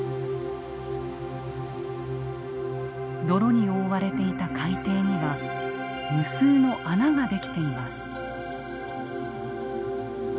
泥に覆われていた海底には無数の穴が出来ています。